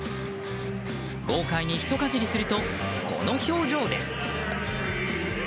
豪快にひとかじりするとこの表情です。